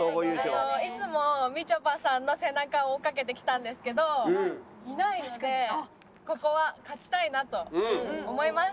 いつもみちょぱさんの背中を追いかけてきたんですけどいないのでここは勝ちたいなと思います！